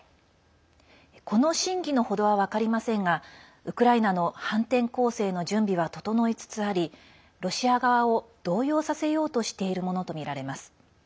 この真偽の程は分かりませんがウクライナの反転攻勢の準備は整いつつありロシア側を動揺させようとしているものとみられます。